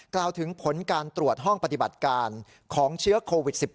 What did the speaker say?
กล่าวถึงผลการตรวจห้องปฏิบัติการของเชื้อโควิด๑๙